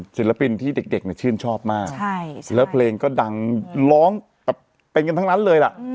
ศิลปินที่เด็กชื่นชอบมากศิลเพลงก็ดังร้องแบบเป็นกันทั้งนั้นเลยล่ะ